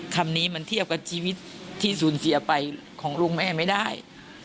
คำนี้มันเทียบกับชีวิตที่สูญเสียไปของลูกแม่ไม่ได้